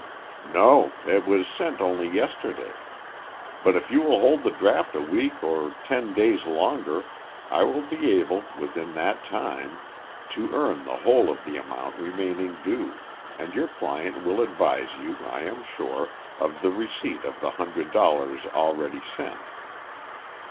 "No. It was sent only yesterday. But if you will hold the draft a week or ten days longer, I will be able, within that time, to earn the whole of the amount remaining due, and your client will advise you, I am sure, of the receipt of the hundred dollars already sent."